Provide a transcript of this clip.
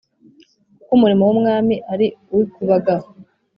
kuko umurimo w’umwami ari uw’ikubagahu.